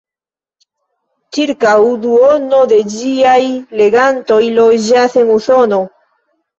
Ĉirkaŭ duono de ĝiaj legantoj loĝas en Usono.